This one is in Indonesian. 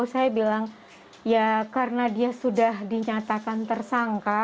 saya bilang ya karena dia sudah dinyatakan tersangka